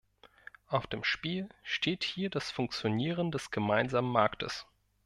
Auf dem Spiel steht hier das Funktionieren des gemeinsamen Marktes.